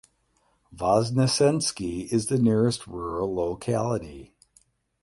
Voznesensky is the nearest rural locality.